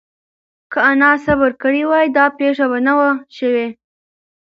که انا صبر کړی وای، دا پېښه به نه وه شوې.